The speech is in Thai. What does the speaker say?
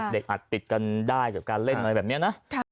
อัดติดกันได้กับการเล่นอะไรแบบนี้นะ